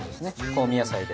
香味野菜で。